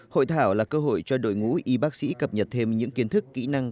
hội thảo là cơ hội cho đội ngũ y bác sĩ cập nhật thêm những kiến thức kỹ năng